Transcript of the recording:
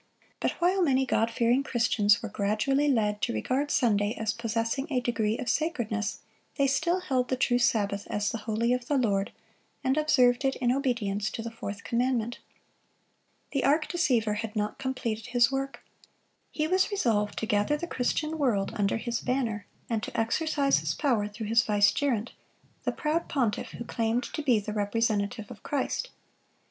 But while many God fearing Christians were gradually led to regard Sunday as possessing a degree of sacredness, they still held the true Sabbath as the holy of the Lord, and observed it in obedience to the fourth commandment. The arch deceiver had not completed his work. He was resolved to gather the Christian world under his banner, and to exercise his power through his vicegerent, the proud pontiff who claimed to be the representative of Christ.